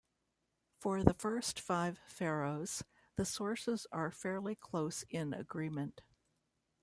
For the first five pharaohs, the sources are fairly close in agreement.